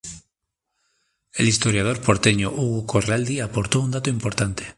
El historiador porteño Hugo Corradi aportó un dato importante.